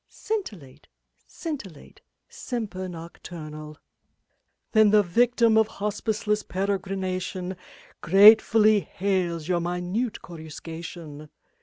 Scintillate, scintillate, semper nocturnal. Saintc Margirie 4T7 Then the yictiin of hospiceless peregrination Gratefully hails your minute coruscation.